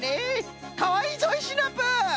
かわいいぞいシナプー！